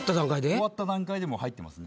終わった段階で入ってますね。